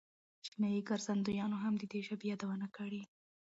چینایي ګرځندویانو هم د دې ژبې یادونه کړې.